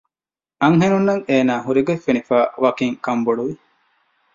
އަންހެނުންނަށް އޭނާ ހުރިގޮތް ފެނިފައި ވަކިން ކަންބޮޑުވި